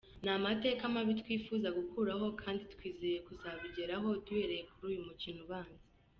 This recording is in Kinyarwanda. Ni amateka mabi twifuza gukuraho kandi twizeye kuzabigeraho duhereye kuri uyu mukino ubanza.